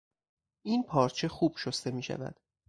این پارچه خوب شسته میشود.